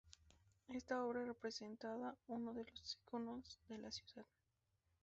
Esta obra representa uno de los íconos de la ciudad.